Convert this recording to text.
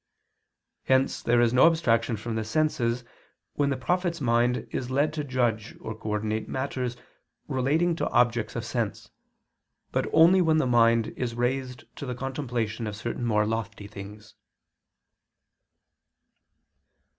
Hence there is no abstraction from the senses when the prophet's mind is led to judge or coordinate matters relating to objects of sense, but only when the mind is raised to the contemplation of certain more lofty things.